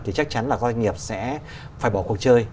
thì chắc chắn là doanh nghiệp sẽ phải bỏ cuộc chơi